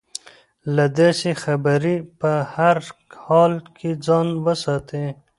له داسې خبرې په هر حال کې ځان وساتي.